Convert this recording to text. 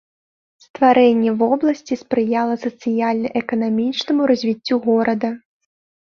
Стварэнне вобласці спрыяла сацыяльна-эканамічнаму развіццю горада.